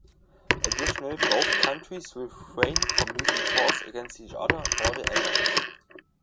Additionally, both countries will refrain from using force against each other or their allies.